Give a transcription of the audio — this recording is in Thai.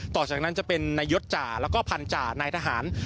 ต่อจากนั้นจะเป็นนายศจ่าแล้วก็พันธานายทหาร